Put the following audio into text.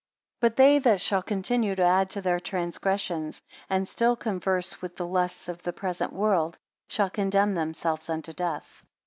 83 But they that shall continue to add to their transgressions, and still converse with the lusts of the present world, shall condemn themselves unto death.